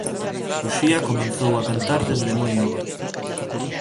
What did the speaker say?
Uxía comezou a cantar dende moi nova.